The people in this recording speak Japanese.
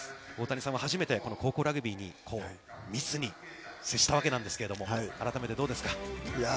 大谷さんも初めてこの高校ラグビーに密に接したわけなんですけれども、改めてどうですか。